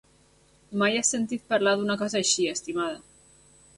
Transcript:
Mai has sentit parlar d'una cosa així, estimada!